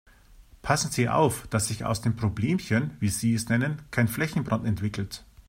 Passen Sie auf, dass sich aus dem Problemchen, wie Sie es nennen, kein Flächenbrand entwickelt.